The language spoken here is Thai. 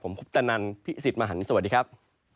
ผมคุปตะนันพี่สิทธิ์มหันฯสวัสดีครับ